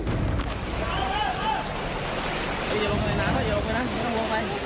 เดี๋ยวลงไปนะลงไป